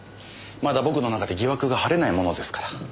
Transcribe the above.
まだ僕の中で疑惑が晴れないものですから。